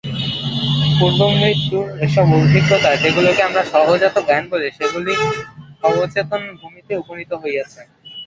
পূর্বমৃত্যুর এইসব অভিজ্ঞতা, যেগুলিকে আমরা সহজাত জ্ঞান বলি, সেগুলি অবচেতন-ভূমিতে উপনীত হইয়াছে।